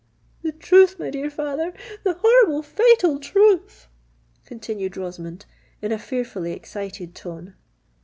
"The truth, my dear father—the horrible, the fatal truth!" continued Rosamond, in a fearfully excited tone.